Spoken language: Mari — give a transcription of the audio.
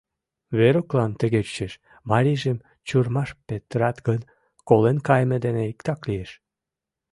Веруклан тыге чучеш: марийжым чурмаш петырат гын, колен кайыме дене иктак лиеш.